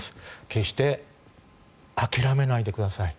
決して諦めないでください。